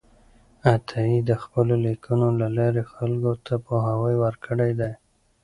عطایي د خپلو لیکنو له لارې خلکو ته پوهاوی ورکړی دی.